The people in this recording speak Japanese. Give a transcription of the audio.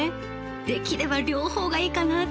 できれば両方がいいかなって。